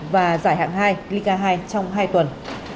và giải hạng hai liga hai trong hai tuần